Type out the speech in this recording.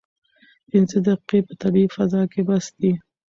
پنځه دقیقې په طبیعي فضا کې بس دي.